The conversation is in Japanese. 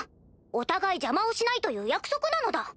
お互い邪魔をしないという約束なのだ。